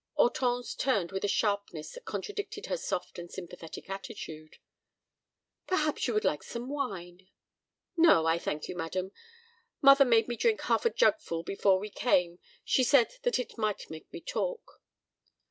Hortense turned with a sharpness that contradicted her soft and sympathetic attitude. "Perhaps you would like some wine?" "No, I thank you, madam. Mother made me drink half a jugful before we came. She said that it might make me talk."